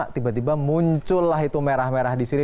tiba tiba muncullah itu merah merah di sini